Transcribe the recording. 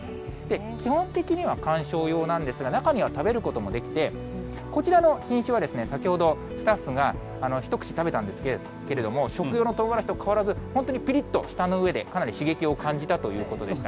基本的には観賞用なんですが、中には食べることもできて、こちらの品種は先ほど、スタッフが一口食べたんですけれども、食用のとうがらしと変わらず、本当にぴりっと、舌の上で、かなり刺激を感じたということでした。